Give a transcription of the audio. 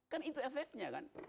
kan itu efeknya kan